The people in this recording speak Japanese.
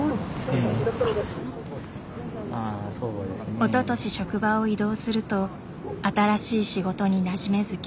おととし職場を異動すると新しい仕事になじめず休職。